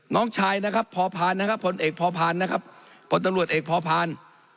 น้องชายนะครับพอพานนะครับพลเอกพอพานนะครับ